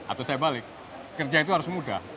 atau saya balik kerja itu harus mudah